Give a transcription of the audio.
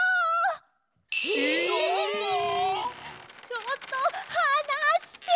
ちょっとはなして！